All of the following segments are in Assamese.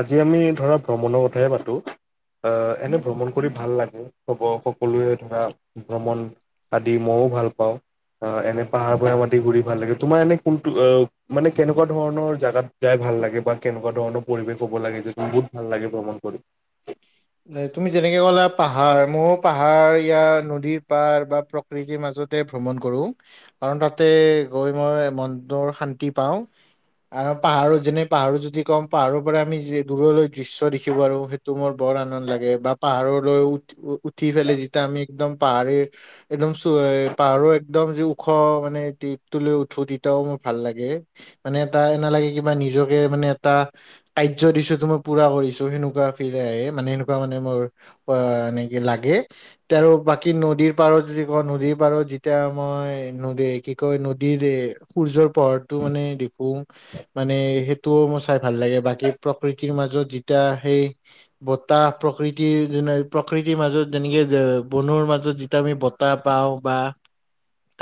আজি আমি ধৰা ভ্ৰমণৰ কথাহে পাতো। আহ এনে ভ্ৰমণ কৰি ভাল লাগে, হব সকলোৱে ধৰা ভ্ৰমণ আদি মইও ভাল পাওঁ, আহ এনে পাহাৰ ভৈয়াম আদি ঘুৰি ভাল লাগে, তোমাৰ এনে কোনটো অ মানে কেনেকুৱা ধৰণৰ জাগাত যায় ভাল লাগে বা কেনেকুৱা ধৰণৰ পৰিৱেশ হ'ব লাগে যে বহুত ভাল লাগে ভ্ৰমণ কৰি? তুমি যেনেকে ক'লা পাহাৰ মোৰ পাহাৰীয়া নদীৰ পাৰ বা প্ৰকৃতিৰ মাজতে ভ্ৰমণ কৰো কাৰণ তাতে গৈ মই মনটোৰ শান্তি পাওঁ আৰু পাহাৰো যেনে পাহাৰো যদি কওঁ পাহাৰৰ পৰা আমি যি দূৰলৈ দৃশ্য দেখিব পাৰো সেইটো মোৰ বৰ আনন্দ লাগে বা পাহাৰলৈ উঠ উঠি ফেলে যেতিয়া আমি একদম পাহাৰে একদম চো হে পাহাৰো একদম যি ওখ মানে টিপটো লৈ উঠো তেতিয়াও মোৰ ভাল মানে এটা এনা লাগে কিবা নিজকে মানে এটা কাৰ্য দিছো টো মই পুৰা কৰিছো সেনেকুৱা ফিল আহে মানে এনেকুৱা মানে মোৰ অ এনে কি লাগে তে আৰু বাকী নদীৰ পাৰত যদি কও নদীৰ পাৰত যেতিয়া মই নদী কি কয় নদীৰ সূৰ্যৰ পোহৰটো মানে দেখো মানে সেইটোও মোৰ চাই ভাল লাগে বাকী প্ৰকৃতিৰ মাজত যেতিয়া সেই বতাহ প্ৰকৃতিৰ যেনে প্ৰকৃতিৰ মাজত যেনেকে বনৰ মাজত যেতিয়া আমি বত তাহ পাওঁ বা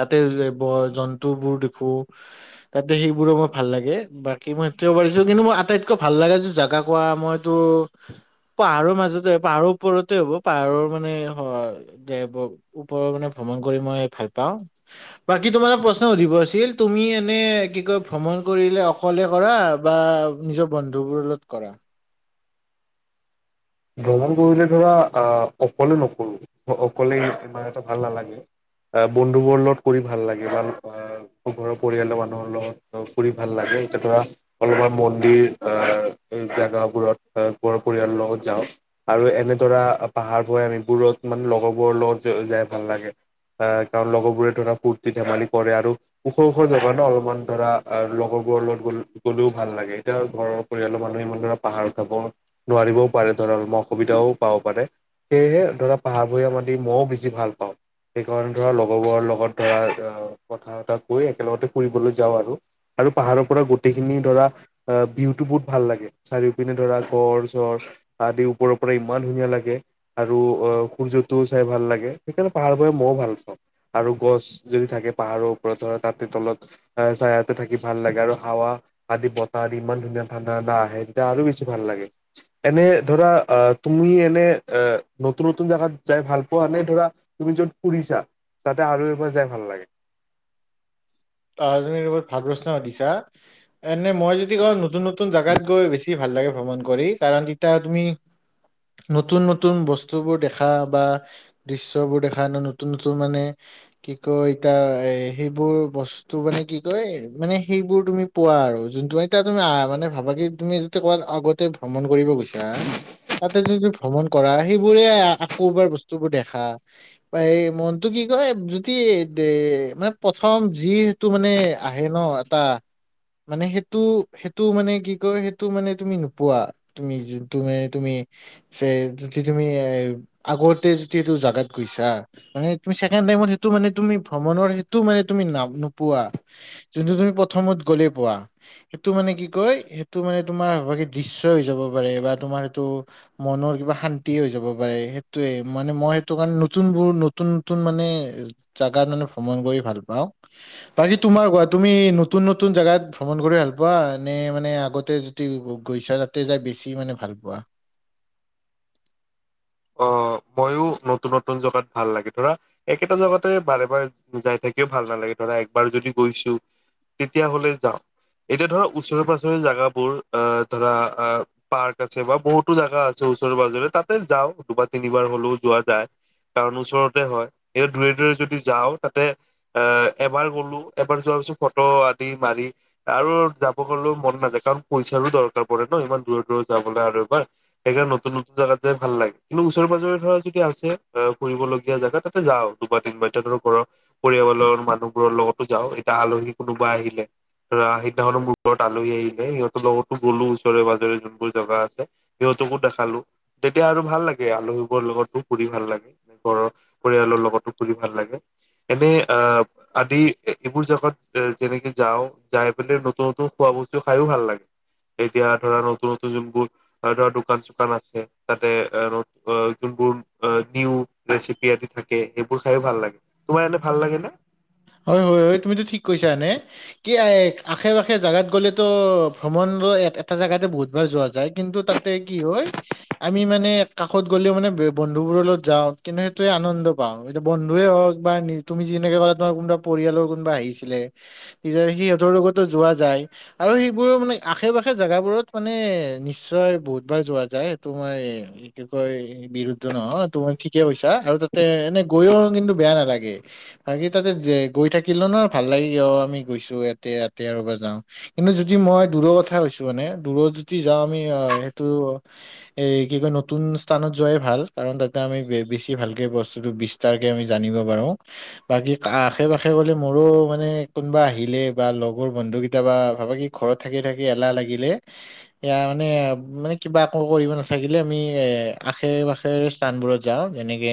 তাতে ব জন্তুবোৰ দেখো তাতে সেইবোৰো মোৰ ভাল লাগে বাকী মই সেইটোও পাৰিছো কিন্তু মোৰ আটাইতকৈ ভাল লাগে যে জাগা কোৱা মই টো পাহাৰৰ মাজতে পাহাৰৰ ওপৰতে হ'ব পাহাৰৰ মানে হ দে ওপৰৰ মানে ভ্ৰমণ কৰি মই ভাল পাওঁ বাকী তোমালে প্ৰশ্ন সুধিব আছিল তুমি এনে কি কয় ভ্ৰমণ কৰিলে অক অকলে কৰা বা নিজৰ বন্ধু বোৰ লগত কৰা ভ্ৰমণ কৰিলে ধৰা আহ অকলে নকৰো অকলে ইমান এটা ভাল নালাগে আহ বন্ধু বোৰ লগত কৰি ভাল লাগে, ভাল [unintelligible] ঘৰৰ পৰিয়ালৰ মানুহৰ লগত ফুৰি ভাল লাগে এতিয়া ধৰা অলপমান মন্দিৰ আহ জোগাবোৰত ঘৰৰ পৰিয়ালৰ লগত যাওঁ আৰু এনেধৰা পাহাৰ ভৈয়াম এইবোৰত মানে লগৰবোৰৰ লগত যাই ভাল লাগে। আহ কাৰণ লগৰবোৰে ধৰা ফূৰ্তি ধেমালি কৰে আৰু ওখ ওখ জেগা ন অলপমান ধৰা আৰু লগৰবোৰৰ লগত গ'ল গ'লে ভাল লাগে এতিয়া ঘৰত পৰিয়ালৰ মানুহে ইমান ধৰা পাহাৰ জাব নোৱাৰিবও পাৰে ধৰা অসুবিধাও পাব পাৰে সেয়েহে ধৰা পাহাৰ ভৈয়াম আদি মইয়ো বেছি ভাল পাওঁ সেইকাৰণে ধৰা লগৰবোৰৰ লগত ধৰা কথা কৈ একেলগতে ফুৰিবলৈ যাওঁ‌ আৰু আৰু পাহাৰৰ পৰা গোটেইখিনি ধৰা আহ ভিউটো বহুত ভাল লাগে চাৰিওপিনে ধৰা ঘৰ চৰ আদি ওপৰৰ পৰা ইমান ধুনীয়া লাগে আৰু অ সূৰ্যটোও চাই ভাল লাগে সেইকাৰণে পাহাৰ ভৈয়াম মইয়ো ভাল পাওঁ আৰু গছ যদি থাকে পাহাৰৰ ওপৰত ধৰা তাতে তলত চায়া চায়াতে থাকি ভাল লাগে আৰু হাৱা আদি বতাহদি ইমান ধুনীয়া ঠাণ্ডা ঠাণ্ডা আহে তেতিয়া আৰু বেছি ভাল লাগে এনে ধৰা অ তুমি এনে এ নতুন নতুন জেগাত যাই ভাল পোৱানে ধৰা তুমি য'ত ফুৰিছা তাতে আৰু এবাৰ যাই ভাল লাগে আহ তুমি একেবাৰে ভাল প্ৰশ্ন সুধিছা এনে মই যদি কওঁ নতুন নতুন জেগাত গৈ বেছি ভাল ভ্ৰমণ কৰি কাৰণ তেতিয়া তুমি নতুন নতুন বস্তুবোৰ দেখা বা দৃশ্যবোৰ দেখা ন নতুন নতুন মানে কি কয় এতা এ সেইবোৰ বস্ তো মানে কি কয় মানে, সেইবোৰ তুমি পোৱা আৰু জোনটো তোমাৰ তুমি আহ মানে ভাবা কি তুমি [unintelligible] ক'ৰবাত আগতে ভ্ৰমণ কৰিব গৈছা? তাতে যদি ভ্ৰমণ কৰা সেইবোৰে আকৌ এবাৰ বস্তুবোৰ দেখা বা এই মনটো কি কয় যদি এ মানে প্ৰথম যি টো মানে আহে ন এটা মানে সেইটো, সেইটো মানে কি কয়, সেইটো মানে তুমি নোপোৱা। তুমি, তুম, তুমি যে যদি তুমি এ, আগতে যদি এইটো জাগাত গৈছা মানে [unintelligible] টাইমত সেইটো মানে তুমি ভ্ৰমণ সেইটো মানে তুমি ন পোৱা, যোনটো তুমি প্ৰথমত গ'লেই পোৱা। সেইটো মানে কি কয়, সেইটো মানে তোমাৰ বাকী দৃশ্যয় হৈ যাব পাৰে বা তোমাৰ সেইটো মনৰ কিবা শান্তি হৈ যাব পাৰে, সেইটোয়ে মানে মই সেইটো কাৰণে নতুনবোৰ নতুন নতুন মানে জাগাত মানে ভ্ৰমণ কৰি ভাল পাওঁ। বাকী তোমাৰ কোৱা, তুমি নতুন নতুন জেগাত ভ্ৰমণ কৰি ভাল পোৱা নে মানে আগতে যদি গৈছা তাত তাতে যাই বেছি মানে ভাল পোৱা। অ, মইো নতুন নতুন জেগাত ভাল লাগে ধৰা একেটা জেগাতে বাৰে বাৰে যাই থাকিও ভাল নালাগে ধৰা একবাৰ যদি গৈছো। তেতিয়া হ'লে যাওঁ। এতিয়া ধৰা ওচৰে পাজৰে জোগাবোৰ আহ ধৰা আহ পাৰ্ক আছে বা বহুতো জাগা আছে ওচৰে পাজৰে, তাতে যাওঁ দুবাৰ তিনিবাৰ হলেও যোৱা যায়। কাৰণ ওচৰতে হয়, সেই দূৰে দূৰে যদি যাওঁ তাতে এ, এবাৰ গলো এবাৰ যোৱাৰ পিছত ফটো আদি মাৰি আৰু যাব গ'লেও মন নাযায়, কাৰণ পইচাৰো দৰকাৰ পৰে ন ইমান দূৰত দূৰত যাবলৈ আৰু এবাৰ সেকাৰ নতুন নতন জগাত যাই ভাল লাগে। কিন্তু ওচৰে পাজৰে ধৰা যদি আছে আহ, ফুৰিবলগীয়া জেগা তাতে যাও দুবাৰ নিব এতিয়া ধৰ ঘৰ পৰিয়ালৰ মানুহবোৰৰ লগতো যাওঁ এতিয়া আলহী কোনোবা আহিলে। ৰা সিদিনা খনো মোৰ ওৰত আলহী আহিলে সিহঁতৰ লগতো গ'লো ওচৰে পাজৰে যোনবোৰ জেগা আছে। সিহঁতকো দেখালো তেতিয়া আৰু ভাল লাগে। আলহীবোৰৰ লগতো ফুৰি ভাল লাগে, ঘৰৰ পৰিয়ালৰ লগতো ফুৰি ভাল লাগে। এনে আ আদি এইবোৰ জেগাত যেনেকে যাওঁ, যাই পেলাই নতুন নতুন খোৱা বস্তু খাইও ভাল লাগে। এতিয়া ধৰা নতুন নতুন যোনবোৰ ধৰা দোকান-চোকান আছে তাতে অ', যোনবোৰ নিউ ৰেচিপি থাকে সেইবোৰ খায়ো ভাল লাগে। তোমাৰ এনে ভাল লাগেনে? হয়, হয়, হয় তুমিতো ঠিক কৈছা এনে। কি আশে পাশে জোগাত গ'লেতো ভ্ৰমণ এটা জেগাতে বহুতবাৰ যোৱা যায়। কিন্তু, তাত কি হয় আমি মানে কাষত গ'লেও মানে বন্ধু বোৰৰ লগত যাও কিন্তু সেইটোয়ে আনন্দ। পাও, এতিয়া বন্ধুৱে হওক বা তুমি যেনেকে কলে তোমাৰ কোনোবা পৰিয়ালৰ কোনোবা আহিছিলে তেতিয়া সিহঁতৰ লগতো যোৱা যায়। আৰু সেইবোৰ মানে আশে পাশে জোগাবোৰত মানে নিশ্চয় বহুতবাৰ যোৱা যায়। সেইটো মই [unintelligible] কয় [unintelligible] নহ তুম ঠিকে আৰু তাতে এনে গৈও কিন্তু বেয়া নালাগে, বাকি তাতে যে গৈ থাকিলো ন ভাল লাগি অ', আমি গৈছো ইয়াতে ইয়াতে আৰু এবাৰ যাওঁ। কিন্তু, যদি মই দূৰৰ কথা কৈছোঁ মানে, দূৰত যদি যাওঁ আমি সেইটো এ, কি কয় নতুন স্থানত যোৱাই ভাল, কাৰণ তাতে আমি বেছি ভালকে বস্তুটো বি তাৰকে আমি জানিব পাৰোঁ। [inaudible] বাকী আশে পাশে মোৰো মানে আহিলে বা লগৰ বন্ধুকেইটা বা ভাবা কি ঘৰত থাকি থাকি এলাহ লাগিলে এয়া মানে মানে কিবা একো কৰিব নাথাকিলে আমি এ আশে - পাশ শেৰ স্থানবোৰত যাওঁ যেনেকে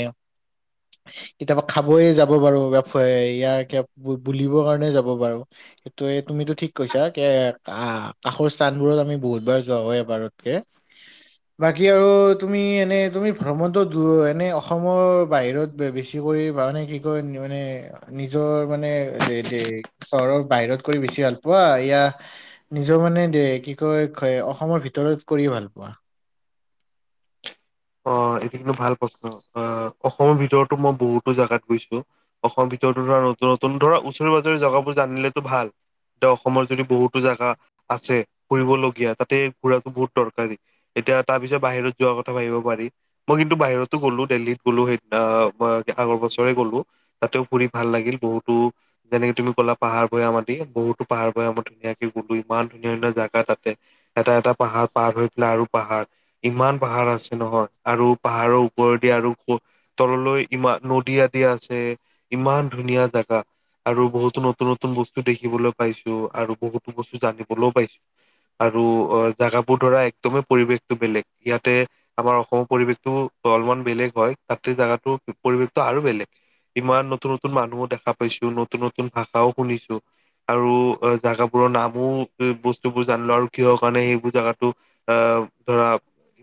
কেতিয়াবা খাবয়ে যাব পাৰো কিবা ফ ইয়াৰ কিবা বু বুলিবৰ কাৰণে যাব পাৰো। সেইটো তুমিতো ঠিক কৈছা কে কা কাষৰ স্থানবোৰত আমি বহুতবাৰ যোৱা হয় এবাৰতকে। বাকী আৰু তুমি এনেই তুমি ভ্ৰমণটো দূৰ এনেই অসমৰ বাহিৰত বে বেছি কৰি মানে কি কয় মানে নিজৰ মানে দে দেশ চহৰৰ বাহিৰত কৰি বেছি ভাল পোৱা ইয়া নিজৰ মানে দে কি কয় খ অসমৰ ভিতৰত কৰি ভাল পোৱা? অ এইটো কিন্তু ভাল প্ৰশ্ন, অ অসমৰ ভিতৰতো মই বহুতো জাগাত গৈছো। অসম ভিতৰতো ধৰা নতুন নতুন ধৰা ওচৰে - পাজৰে জেগাবোৰ জানিলেতো ভাল। ত অসমৰ যদি বহুতো জাগা আছে ফুৰিবলগীয়া তাতে ঘুৰাটো বহুত দৰকাৰী। এতিয়া তাৰ পিছত বাহিৰত যোৱাৰ কথা ভাবিব পাৰি, মই কিন্তু বাহিৰতো গ'লো দেলহীত গ'লো সেই আ বা আগৰ বছৰে গ'লো। তাতেও ফুৰি ভাল লাগিল বহুতো যেনেকে তুমি ক'লা পাহাৰ ভৈয়াম মাটি, বহুতো পাহাৰ ভৈয়াম মাটি ধুনীয়াকে গ'লো ইমান ধুনীয়া - ধুনীয়া জাগা তাতে। এটা এটা পাহাৰ পাৰ হৈ পেলাই আৰু পাহাৰ, ইমান পাহাৰ আছ ছে নহয় আৰু পাহাৰৰ ওপৰদি আৰু ওপ তললৈ ইমান নদী আদি আছে, ইমান ধুনীয়া জাগা। আৰু বহুতো নতুন নতুন বস্তু দেখিবলৈ পাইছো আৰু বহুতো বস্তু জানিবলৈও পাইছো। আৰু অ জাগাবোৰ ধৰা একদমেই পৰিৱেশটো বেলেগ ইয়াতে আমাৰ অসমৰ পৰিৱেশটো অলপমান বেলেগ হয় তাত জেগাতো পৰিৱেশটো আৰু বেলেগ। ইমান নতুন নতুন মানুহো দেখা পাইছো, নতুন নতুন ভাষাও শুনিছো। আৰু আ জাগাবোৰৰ নামো এ বস্তুবোৰ জানিলো আৰু কিহৰ কাৰণে সেইবোৰ জাগাতো আহ ধৰা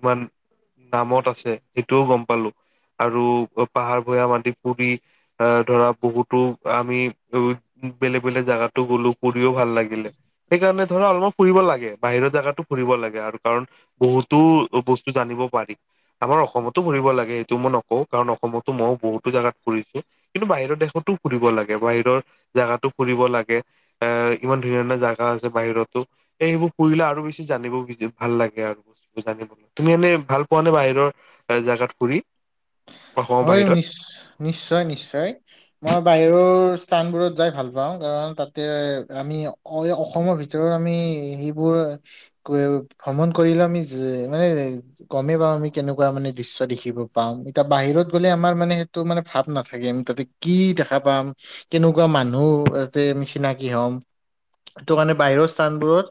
ইমান নামত আছে সেইটোও গম পালো। আৰু আ পাহাৰ ভৈয়াম মাটি পুৰি আ ধৰা বহুতো আমি উ বেলেগ বেলেগ জাগাতো গ'লো। ঘূৰিও ভাল লাগিল দে সেইকাৰণে ধৰা অলপ ফুৰিব লাগে, বাহিৰৰ জাগাতো ফুৰিব লাগে আৰু কাৰণ বহুতো বস্তু জানিব পাৰি। আমাৰ অসমতো ফুৰিব লাগে এইটো মই নকওঁ কাৰণ অসমতো ময়ো বহুতো জাগাত ফুৰিছো। কিন্তু বাহিৰৰ দেশতো ফুৰিব লাগে বাহিৰৰ জাগাতো ফুৰিব লাগে, এ ইমান ধুনীয়া ধুনীয়া জাগা আছে বাহিৰতো এইবোৰ ফুৰিলে আৰু বেছি জানিব বুজি ভাল লাগে আৰু সঁচাকে [unintelligible] তুমি এনে ভাল পোৱা নে বাহিৰৰ ভাল জাগাত ঘূৰি? হয় নিশ নিশ্চয় নিশ্চয়। মই বাহিৰৰ স্থানবোৰত যাই ভাল পাওঁ কাৰণ তাতে আমি অ এ অসমৰ ভিতৰত আমি সেইবোৰ [unintelligible] ভ্ৰমণ কৰিলে আমি যি মানে গমে পাওঁ আমি কেনেকুৱা মানে দৃশ্য দেখিব পাও এতিয়া বাহিৰত গ'লে আমাৰ মানে সেইটো মানে ভাৱ নাথাকে আমি তাতে কি দেখা পাম কেনেকুৱা মানুহ ইয়াতে নিচিনাকি হম টো কাৰণে বাহিৰৰ স্থানবোৰত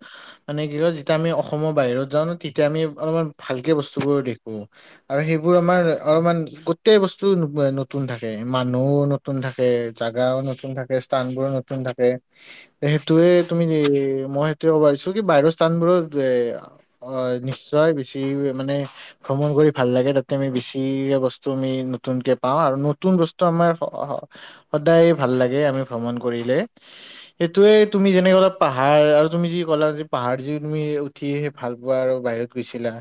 মানে কি কয় যেতিয়া আমি অসমৰ বাহিৰত যাওঁ ন তেতিয়া আমি অলপমান ভালকে বস্তুবোৰ দেখো। আৰু সেইবোৰ আমাৰ অলপমান গোট টেই বস্তুও নু বো এ নতুন থাকে, মানুহও নতুন থাকে, জাগাও নতুন থাকে, স্থানবোৰো ন তুন থাকে। সেইটোৱে তুমি মই সেইটোয়ে কবা বিচাৰিছো কি বাহিৰৰ স্থানবোৰত এ- অ' নিশ্চয় বেছি মানে ভ্ৰমণ কৰি ভাল লাগে তাতে আমি বেছি বচ- টো আমি নতুনকে পাওঁ, আৰু নতুন বস্তু আমাৰ হ হ- সদায় ভাল লাগে আমি ভ্ৰমণ কৰিলে। সেইটোয়ে তুমি যেনেকে কলা পাহাৰ আৰু তুমি যি ক'লা পাহাৰ যি তুমি- উঠিয়েহে ভাল পোৱা আৰু বাহিৰত গৈছিলা।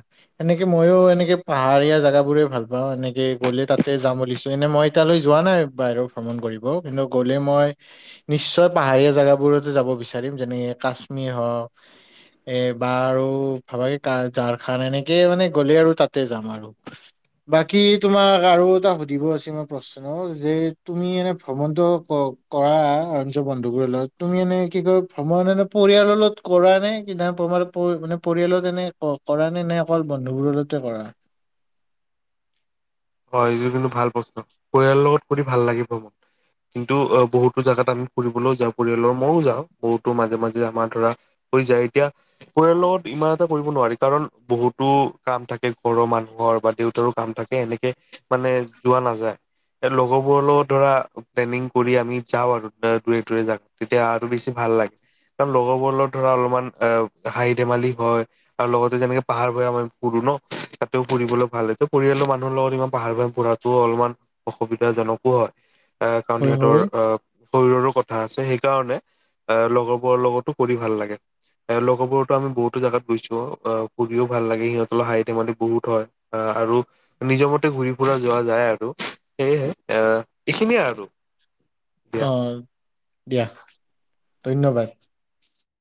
এনেকে ময়ো এনেকে পাহাৰীয়া জোগাবোৰে ভাল পাওঁ, এনে- কে গ'লে তাতে যাম বুলিছো, এনে মই তালৈ যোৱা নাই বাহিৰত ভ্ৰমণ কৰিব। কিন্তু গ'লে মই- নিশ্চয় পাহাৰীয়া জেগাবোৰতো যাব বিচাৰিম, যেনে কাশ্মীৰ হওক, - এ বা আৰু ভাবৈকা ঝাৰখান এনেকে মানে গ'লে আৰু তাতে যাম আৰু। বাকী- তোমাক আৰু এটা সুধিব আছে মই প্ৰশ্ন যে তুমি এনেই ভ্ৰমণটো কওক- কৰা অঞ্চ বন্ধুবোৰৰ লগত তুমি এনে কি কয় ভ্ৰময় এনে পৰিয়ালৰ লগত কৰা নে কি না তোমাৰ- পৰিয়ালত এনে ক কৰা নে এনে অকল বন্ধুবোৰ লগতে কৰা? হয়, এইটো কিন্তু ভাল প্ৰশ্ন পৰিয়ালৰ লগত কৰি ভাল লাগিব। কিন্তু, অ বহুতো জাগাত আমি ফুৰিবলৈও যাওঁ, পৰিয়ালৰ মইও যাওঁ বহুতো মাজে মাজে আমাৰ ধৰা- হৈ যায়, এতিয়া- পৰিয়ালত লগত ইমান এটা কৰিব নোৱাৰি, কাৰণ বহুতো কাম থাকে ঘৰৰ মানুহৰ বা দেউতাৰো- কাম থাকে এনেকে মানে যোৱা নাযায়। এ লগৰবোৰ ধৰা প্লেনিং কৰি আমি যাওঁ আৰু দূৰে দূৰে জাক- তেতিয়া আৰু বেছি ভাল লাগে, কাৰণ লগৰবোৰ লগত ধৰা অলমান এ হাঁহি ধেমালি হয়, - আৰু লগতে যেনেকে পাহাৰ ভয়ামত আমি ফুৰো ন, তাতেও ফুৰিবলৈ ভাল। এইটো পৰিয়ালৰ মানুহৰ লগত ইমান- পাহাৰ ভয়াম ফুৰাতোও অলমান অসুবিধাজনকো হয়, এ কাৰণ হয় সিহঁতৰ হয় আহ- শৰীৰৰো কথা আছে, সেইকাৰণে এ লগৰবোৰৰ লগতো ফুৰি ভাল লাগে। এ লগৰবোৰ টো আমি বহুতো জাগাত গৈছো, অ ফুৰিও ভাল লাগে সিহঁত লগত হাঁহি ধেমালি বহুত হয়। আহ আৰু নিজ মতে ঘূৰি ফুৰা যোৱা যায় আৰু সেয়েহে আহ এইখিনিয়ে আৰু। দিয়া অঁ' দিয়া ধন্যবাদ।